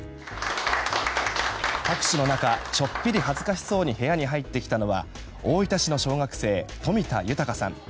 拍手の中ちょっぴり恥ずかしそうに部屋に入ってきたのは大分市の小学生、冨田豊さん。